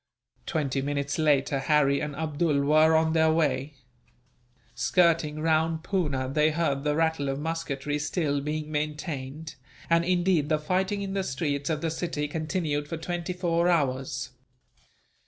Twenty minutes later, Harry and Abdool were on their way. Skirting round Poona, they heard the rattle of musketry still being maintained; and indeed, the fighting in the streets of the city continued for twenty four hours.